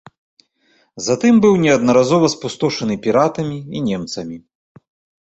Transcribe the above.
Затым быў неаднаразова спустошаны піратамі і немцамі.